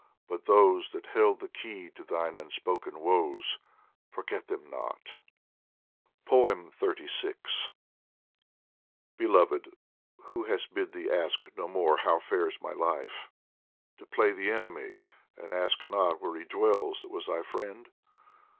But those That held the key to thine unspoken woes Forget them not ! xxxvi BELOVED, who has bid thee ask no more How fares my life ? to play the enemy And ask not where he dwells that was thy friend